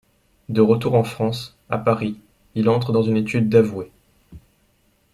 De retour en France, à Paris, il entre dans une étude d'avoué.